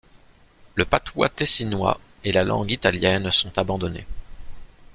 Le patois tessinois et la langue italienne sont abandonnés.